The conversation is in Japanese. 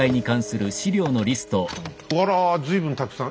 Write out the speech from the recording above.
あら随分たくさん。